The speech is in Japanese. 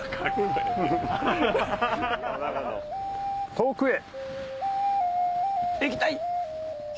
『遠くへ行きたい』！